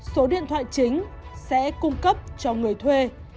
số điện thoại chính sẽ cung cấp cho người thuê